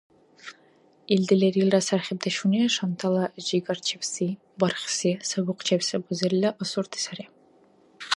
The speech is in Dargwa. Илди лерилра сархибдешуни шантала жигарчебси, бархси, сабухъчебси бузерила асурти сари.